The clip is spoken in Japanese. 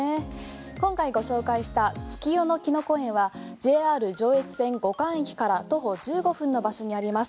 今回ご紹介した月夜野きのこ園はＪＲ上越線後閑駅から徒歩１５分の場所にあります。